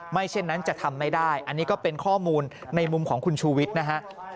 เช่นนั้นจะทำไม่ได้อันนี้ก็เป็นข้อมูลในมุมของคุณชูวิทย์นะฮะ